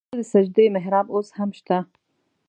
د ده د سجدې محراب اوس هم شته.